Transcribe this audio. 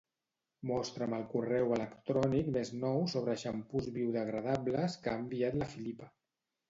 Mostra'm el correu electrònic més nou sobre xampús biodegradables que ha enviat la Filipa.